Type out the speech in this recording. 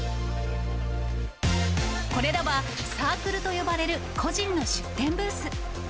これらは、サークルと呼ばれる個人の出店ブース。